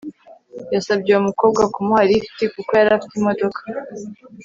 yasabye uwo mukobwa kumuha lift kuko yari afite imodoka